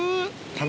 卵。